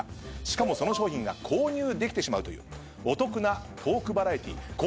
しかもその商品が購入できてしまうというお得なトークバラエティー。